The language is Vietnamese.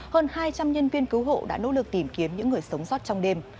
hơn hai trăm linh nhân viên cứu hộ đã nỗ lực tìm kiếm những người sống sót trong đêm